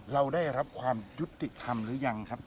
เราได้รับความยุติธรรมหรือยังครับ